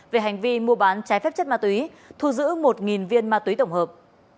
về hành vi mua bán trái phép chất ma túy thu giữ một viên ma túy tổng hợp